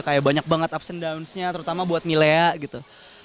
kayak banyak banget ups and downs nya terutama buat milea gitu